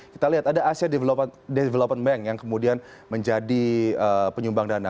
kita lihat ada asia development bank yang kemudian menjadi penyumbang dana